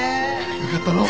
よかったのう。